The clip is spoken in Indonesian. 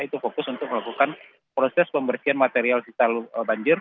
itu fokus untuk melakukan proses pembersihan material sisa banjir